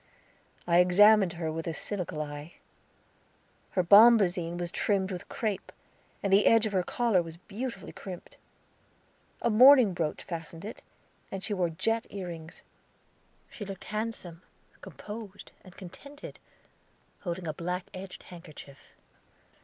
I examined her with a cynical eye; her bombazine was trimmed with crape, and the edge of her collar was beautifully crimped. A mourning brooch fastened it, and she wore jet ear rings. She looked handsome, composed, and contented, holding a black edged handkerchief.